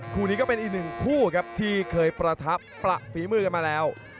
คู่นี้ก็เป็นอีก๑ผู้ครับที่เคยประถับประฟิมือมาแล้ว